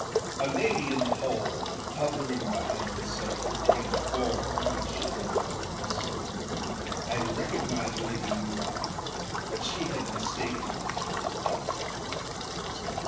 A lady, in the hall, hovering behind the servant, came forward when she heard my voice. I recognised Lady Luard, but she had mistaken me for the doctor.